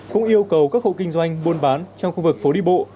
cũng yêu cầu các hộ kinh doanh buôn bán trong khu vực phố đi bộ